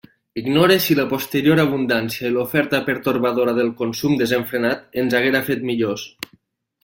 Ignore si la posterior abundància i l'oferta pertorbadora del consum desenfrenat ens haguera fet millors.